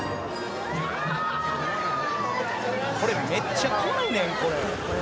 これめっちゃ怖いねん。